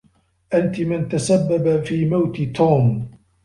أنتِ من تسبّب في موت توم.